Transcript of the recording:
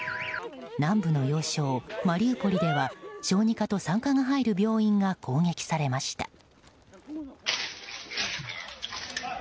南部の要衝マリウポリでは小児科と産科が入る病院が攻撃されました。